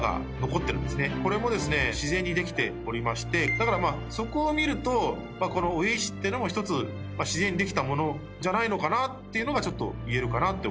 だからそこを見ると王位石っていうのも自然にできたものじゃないのかなっていうのが言えるかなって。